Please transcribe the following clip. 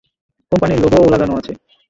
কোম্পানির লোগোও লাগানো আছে।